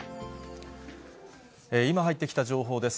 今入ってきた情報です。